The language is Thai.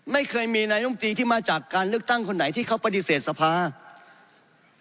ไม่เคยมีนายมตรีที่มาจากการเลือกตั้งคนไหนที่เขาปฏิเสธสภา